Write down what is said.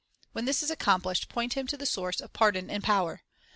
When this is accomplished, point him to the source of pardon and power.